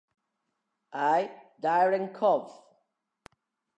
I. Dyrenkov.